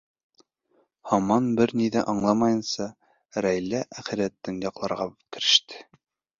Һаман бер ни ҙә аңламайынса, Рәйлә әхирәтен яҡларға кереште.